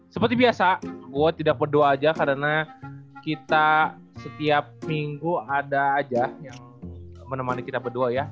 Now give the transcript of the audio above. seperti biasa gue tidak berdoa aja karena kita setiap minggu ada aja yang menemani kita berdua ya